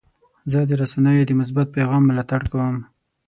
زه د رسنیو د مثبت پیغام ملاتړ کوم.